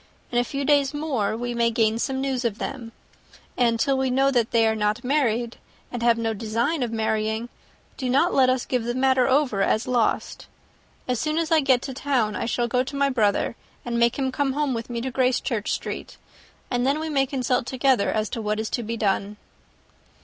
In a few days more, we may gain some news of them; and till we know that they are not married, and have no design of marrying, do not let us give the matter over as lost. As soon as I get to town, I shall go to my brother, and make him come home with me to Gracechurch Street, and then we may consult together as to what is to be done."